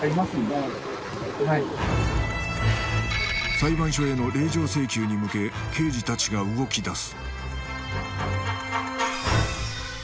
裁判所への令状請求に向け刑事たちが動きだす